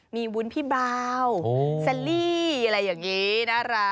มีวุ้นพี่เบาเซลลี่อะไรอย่างนี้น่ารัก